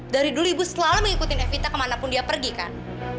dari dulu ibu selalu mengikuti evita kemanapun dia pergi kan